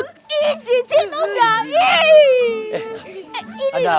ih cicil tuh udah